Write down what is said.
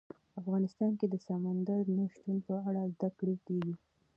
افغانستان کې د سمندر نه شتون په اړه زده کړه کېږي.